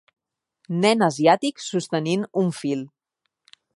Nen asiàtic sostenint un fil.